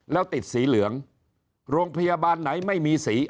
แล้วติดสีเหลืองโรงพยาบาลไหนไม่มีสี